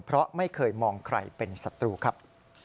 เพราะไม่เคยมองใครเป็นศัตรูครับ